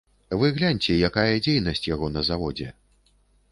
Вы гляньце, якая дзейнасць яго на заводзе.